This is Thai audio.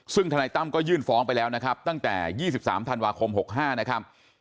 ซึ่งธนายตั้มก็ยื่นฟ้องไปแล้วนะครับตั้งแต่๒๓ธันวาคม๖๕นะครับ